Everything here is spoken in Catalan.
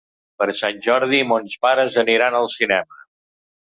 Per Sant Jordi mons pares aniran al cinema.